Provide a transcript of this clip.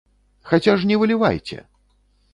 Хаця ж не вылівайце!